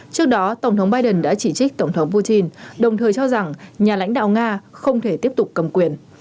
trước đó tổng thống biden đã chỉ trích tổng thống putin đồng thời cho rằng nhà lãnh đạo nga không thể tiếp tục cầm quyền